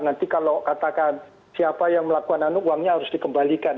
nanti kalau katakan siapa yang melakukan uangnya harus dikembalikan